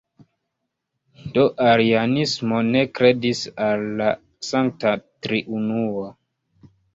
Do arianismo ne kredis al la Sankta Triunuo.